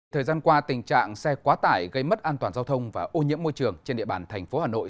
thời gian qua tình trạng xe quá tải gây mất an toàn giao thông và ô nhiễm môi trường trên địa bàn thành phố hà nội